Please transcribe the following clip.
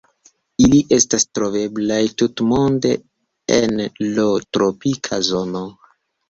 Ili estas troveblaj tutmonde en lo tropika zono.